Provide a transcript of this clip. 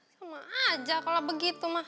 cuma aja kalau begitu mah